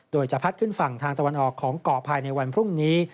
โดยจะพัดขึ้นฝั่งทางตะวันออกของเกาะภายในวันพรุ่งนี้